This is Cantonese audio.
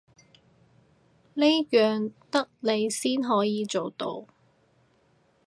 呢樣得你先可以做到